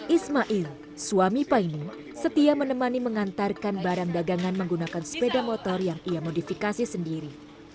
ismail suami paine setia menemani mengantarkan barang dagangan menggunakan sepeda motor yang ia modifikasi sendiri